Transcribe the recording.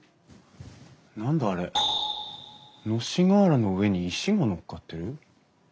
何だあれ？のし瓦の上に石が載っかってる？